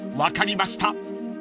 ［分かりました］